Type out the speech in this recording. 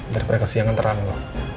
daripada kesiangan terlalu